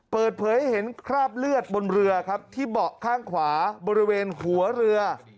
เปิดเผยให้เห็นคราบเลือดบนเรือครับที่เบาะข้างขวาบริเวณหัวเรือ